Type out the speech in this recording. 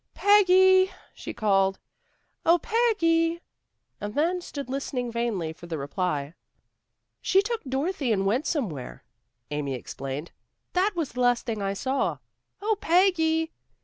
"Peggy!" she called. "Oh, Peggy!" and then stood listening vainly for the reply. "She took Dorothy and went somewhere," Amy explained. "That was the last thing I saw. Oh, Peggy!